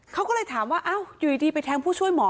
เขาก็เลยถามว่าอ้าวอยู่ดีไปแทงผู้ช่วยหมอ